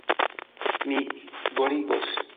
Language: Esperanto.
Mi boligos!